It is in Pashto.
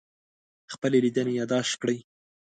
خپلې لیدنې یادداشت کړئ.